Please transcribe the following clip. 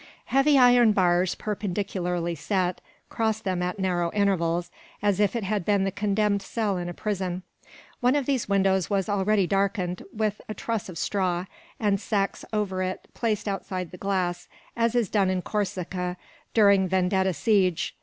Heavy iron bars, perpendicularly set, crossed them at narrow intervals, as if it had been the condemned cell in a prison. One of these windows was already darkened with a truss of straw, and sacks over it, placed outside the glass; as is done in Corsica, during Vendetta siege.